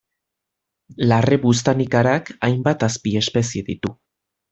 Larre buztanikarak hainbat azpiespezie ditu.